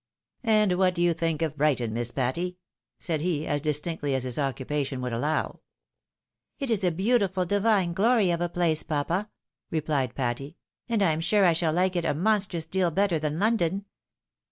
" And what do you think of Brighton, Miss Patty ?" said he, as distinctly as his occupation would aUow. " It is a beautiful divine glory of a place, papa !" rephed Patty; " and I am sure I shall like it a monstrous deal better than London."